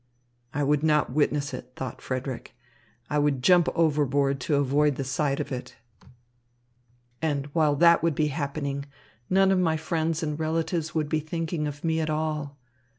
"I would not witness it," thought Frederick. "I would jump overboard to avoid the sight of it. And while that would be happening, none of my friends and relatives would be thinking of me at all.